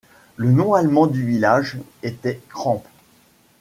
Le nom allemand du village était Krampe.